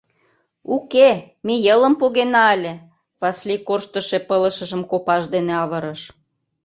— Уке, ме йылым погена ыле, — Васлий корштышо пылышыжым копаж дене авырыш.